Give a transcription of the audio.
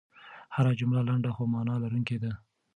هره جمله لنډه خو مانا لرونکې ده.